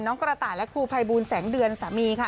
กระต่ายและครูภัยบูลแสงเดือนสามีค่ะ